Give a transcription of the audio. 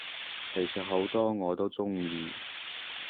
其實好多我都鍾意